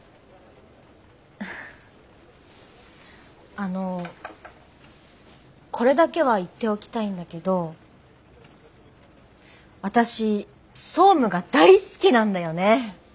あのこれだけは言っておきたいんだけど私総務が大好きなんだよね。